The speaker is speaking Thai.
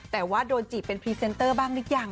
แต่ว่าโดนจีบเป็นพรีเซนเตอร์บ้างหรือยัง